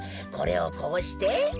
これをこうして。